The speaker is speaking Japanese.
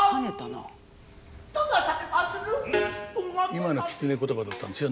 今の狐詞だったんですよ。